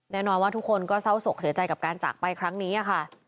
แน่นอนว่าทุกคนก็เศร้าศกเสียใจกับการจากไปครั้งนี้ค่ะ